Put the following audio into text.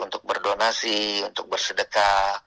untuk berdonasi untuk bersedekah